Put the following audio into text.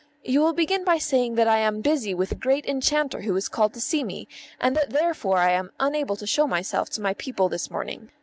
You will begin by saying that I am busy with a great enchanter who has called to see me, and that therefore I am unable to show myself to my people this morning.